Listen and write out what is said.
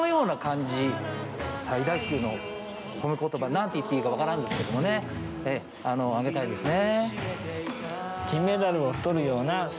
何て言っていいか分からんですけどもねあげたいですね。